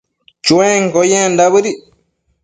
Chuenquio yendac bëdic